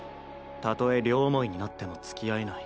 「たとえ両思いになってもつきあえない。